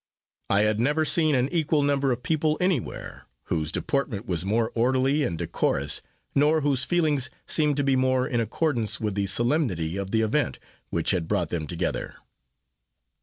I had never seen an equal number of people anywhere, whose deportment was more orderly and decorous, nor whose feelings seemed to be more in accordance with the solemnity of the event, which had brought them together.